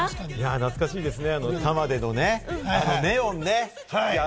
懐かしいですね。